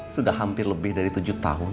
sudah hampir lebih dari tujuh tahun